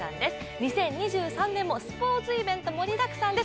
２０２３年もスポーツイベント盛りだくさんです。